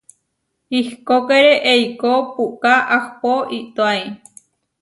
Ihkókere eikó puʼká ahpó itóai.